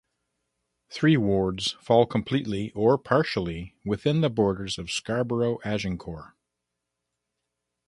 Three wards fall completely or partially within the borders of Scarborough-Agincourt.